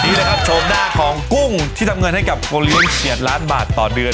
นี่แหละครับโฉมหน้าของกุ้งที่ทำเงินให้กับโอเลี้ยง๗ล้านบาทต่อเดือน